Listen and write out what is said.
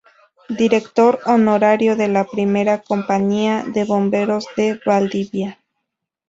Director honorario de la Primera Compañía de Bomberos de Valdivia.